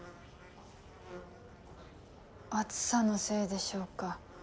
暑さのせいでしょうか。